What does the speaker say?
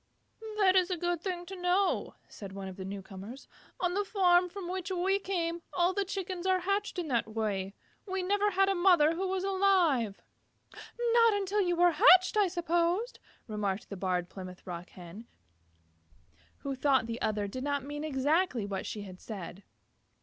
"That is a good thing to know," said one of the new comers. "On the farm from which we came, all the Chickens are hatched in that way. We never had a mother who was alive." "Not until after you were hatched I suppose," remarked the Barred Plymouth Rock Hen, who thought the other did not mean exactly what she had said.